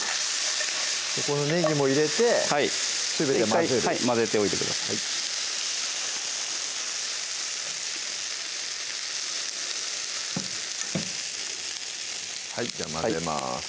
このねぎも入れてすべて混ぜる混ぜておいてくださいじゃあ混ぜます